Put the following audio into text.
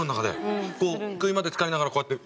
首までつかりながらこうやって。